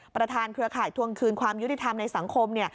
เครือข่ายทวงคืนความยุติธรรมในสังคม